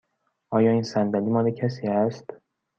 آیا این صندلی مال کسی است؟